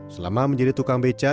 selama menjadi tukang beca